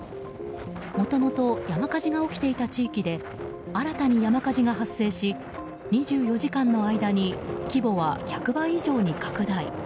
もともと山火事が起きていた地域で新たに山火事が発生し２４時間の間に規模は１００倍以上に拡大。